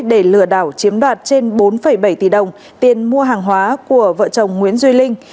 để lừa đảo chiếm đoạt trên bốn bảy tỷ đồng tiền mua hàng hóa của vợ chồng nguyễn duy linh